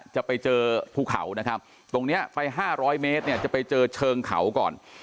จะไปเจอภูเขานะครับตรงนี้ไป๕๐๐เมตรเนี่ยจะไปเจอเชิงเขาก่อน